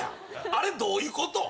あれどういうこと？